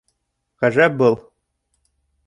Ғәжәп был!..